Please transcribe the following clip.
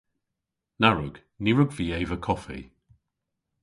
Na wrug. Ny wrug vy eva koffi.